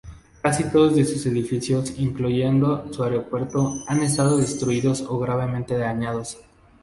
Casi todos de sus edificios, incluyendo su aeropuerto, han estados destruidos o gravemente dañados.